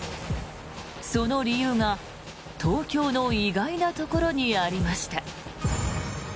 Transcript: その理由が、東京の意外なところにありました。